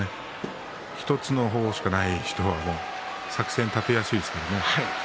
１つの方法しかない力士は作戦が立てやすいです。